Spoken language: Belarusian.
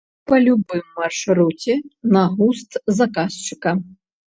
Па любым маршруце на густ заказчыка.